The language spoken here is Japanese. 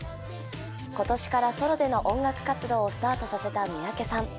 今年からソロでの音楽活動をスタートさせた三宅さん。